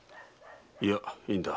いやいいんだ。